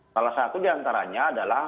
salah satu diantaranya adalah